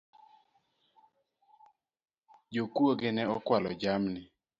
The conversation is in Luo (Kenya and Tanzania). Jokuoge ne okualo jamni